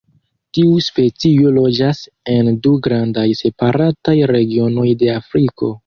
Tiu specio loĝas en du grandaj separataj regionoj de Afriko.